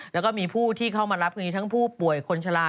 แล้วก็มีผู้ที่เข้ามารับคือทั้งผู้ป่วยคนชะลา